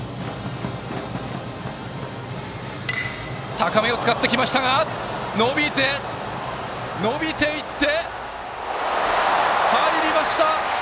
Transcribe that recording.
高めを使ってきましたが伸びていって、入りました！